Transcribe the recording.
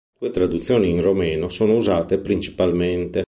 Due traduzioni in romeno sono usate principalmente.